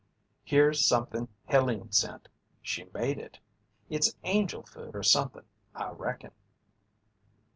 "Here's something Helene sent she made it it's angel food or somethin', I reckon."